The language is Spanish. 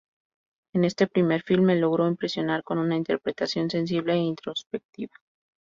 En este primer filme, logró impresionar con una interpretación sensible e introspectiva.